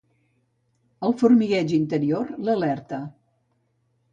El formigueig interior l'alerta.